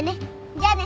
じゃあね。